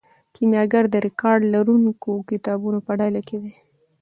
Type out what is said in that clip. کیمیاګر د ریکارډ لرونکو کتابونو په ډله کې دی.